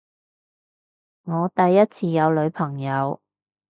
我第一次有女朋友